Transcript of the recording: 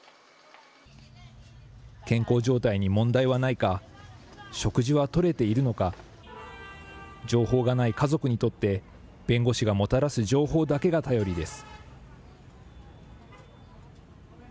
健康状態に問題はないか、食事はとれているのか、情報がない家族にとって、弁護士がもたらす情報だけが頼りです。